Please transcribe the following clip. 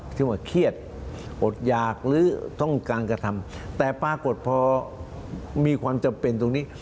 ที่ว่าเครียดอดหยากหรือต้องการกระทำแต่ปรากฏพอมีความจำเป็นตรงนี้